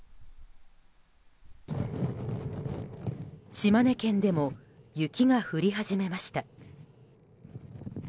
島根県でも雪が降り始めました。